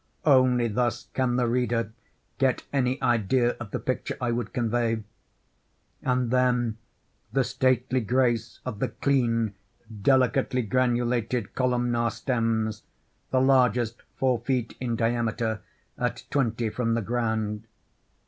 Only thus can the reader get any idea of the picture I would convey. And then the stately grace of the clean, delicately granulated columnar stems, the largest four feet in diameter, at twenty from the ground.